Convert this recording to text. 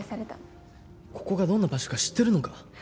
ここがどんな場所か知ってるのか？